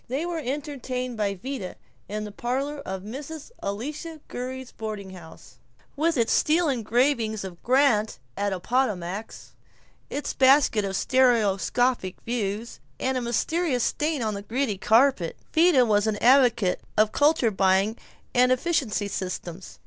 They were entertained by Vida in the parlor of Mrs. Elisha Gurrey's boarding house, with its steel engraving of Grant at Appomattox, its basket of stereoscopic views, and its mysterious stains on the gritty carpet. Vida was an advocate of culture buying and efficiency systems.